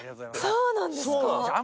そうなんです。